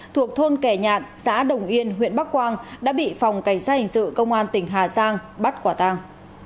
thuộc thôn kẻ nhạn xã đồng yên huyện bắc quang đã bị phòng cảnh sát hình sự công an tỉnh hà giang bắt quả tàng